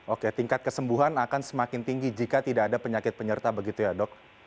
oke tingkat kesembuhan akan semakin tinggi jika tidak ada penyakit penyerta begitu ya dok